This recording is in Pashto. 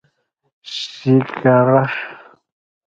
ښېګړه